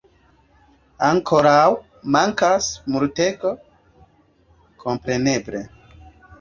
Ankorau mankas multego, kompreneble.